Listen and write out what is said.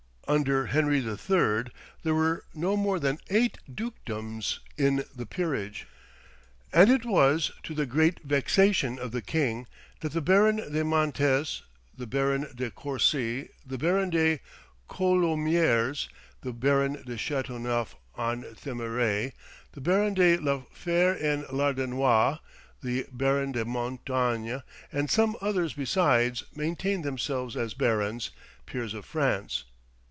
Under Henry III. there were no more than eight dukedoms in the peerage, and it was to the great vexation of the king that the Baron de Mantes, the Baron de Courcy, the Baron de Coulommiers, the Baron de Chateauneuf en Thimerais, the Baron de la Fère en Lardenois, the Baron de Mortagne, and some others besides, maintained themselves as barons peers of France.